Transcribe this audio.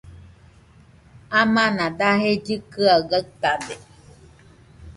Amana daje llɨkɨaɨ gaɨtade